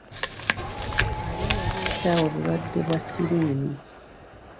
Ani yaleta obulwadde bwa siriimu.